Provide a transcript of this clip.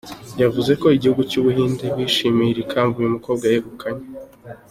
Yavuze ko igihugu cy’u Buhinde bishimiye iri kamba uyu mukobwa yegukanye.